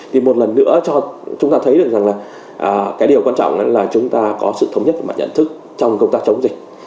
thì một lần nữa cho chúng ta thấy được rằng là cái điều quan trọng là chúng ta có sự thống nhất về mặt nhận thức trong công tác chống dịch